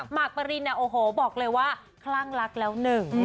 มาร์คปะลินบอกเลยว่าครั้งลักษณ์แล้วหนึ่ง